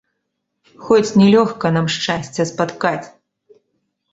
Хоць не лёгка нам шчасця спаткаць!